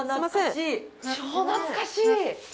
懐かしい！